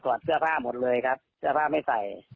เสื้อผ้าหมดเลยครับเสื้อผ้าไม่ใส่